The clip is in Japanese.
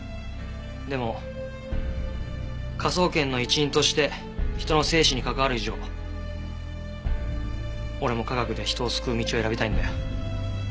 でも科捜研の一員として人の生死に関わる以上俺も科学で人を救う道を選びたいんだよ。